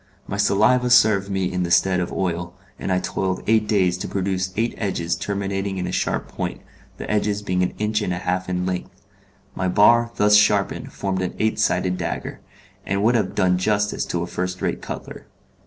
My saliva served me in the stead of oil, and I toiled eight days to produce eight edges terminating in a sharp point, the edges being an inch and a half in length. My bar thus sharpened formed an eight sided dagger, and would have done justice to a first rate cutler.